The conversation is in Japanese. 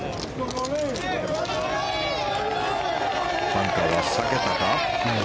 バンカーは避けたか。